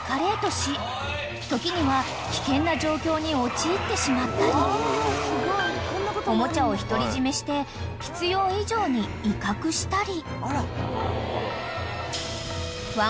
［時には危険な状況に陥ってしまったりおもちゃを独り占めして必要以上に威嚇したり］